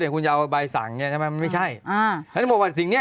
เนี่ยคุณจะเอาใบสั่ง